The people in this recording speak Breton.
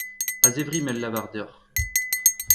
A-zevri m'el lavar deoc'h.